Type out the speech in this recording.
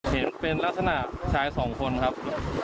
เห็นเป็นลักษณะชายสองคนครับ